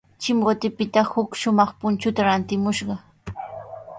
Chimbotepita huk shumaq punchuta rantimushqa.